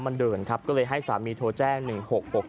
มันเดินครับก็เลยให้สามีโทรแจ้ง๑๖๖